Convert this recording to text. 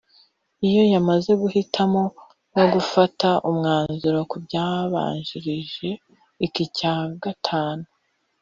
Iyo yamaze guhitamo no gufata umwnzuro ku byabanjirije iki cya gatanu